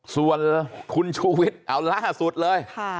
ส่วนคุณชูวิทย์เอาล่าสุดเลย